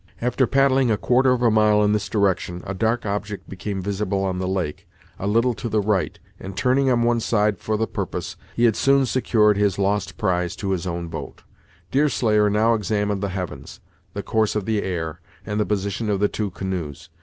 After paddling a quarter of a mile in this direction, a dark object became visible on the lake, a little to the right; and turning on one side for the purpose, he had soon secured his lost prize to his own boat. Deerslayer now examined the heavens, the course of the air, and the position of the two canoes.